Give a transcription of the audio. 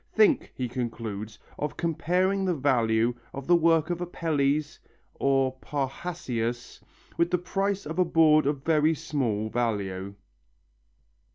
"Think," he concludes, "of comparing the value of the work of Apelles or Parrhasius with the price of a board of very small value."